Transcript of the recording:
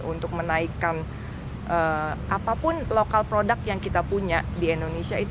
untuk menaikkan apapun lokal produk yang kita punya di indonesia